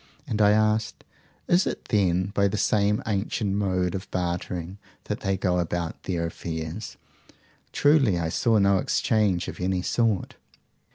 And I asked, Is it then by the same ancient mode of barter that they go about their affairs? Truly I saw no exchange of any sort.